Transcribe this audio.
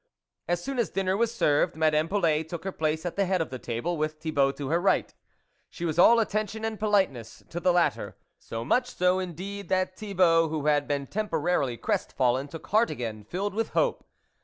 As soon as dinner was served, Madame Polet took her place at the head of the table, with Thibault to her right. She was all atten tion and politeness to the latter, so much so indeed that Thibault, who had been temporarily crestfallen, took heart again, filled with hope.